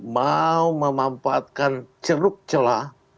mau memanfaatkan ceruk celah